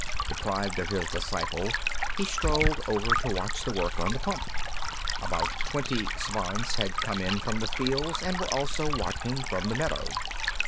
Deprived of his disciple, he strolled over to watch the work on the pump. About twenty Svants had come in from the fields and were also watching, from the meadow.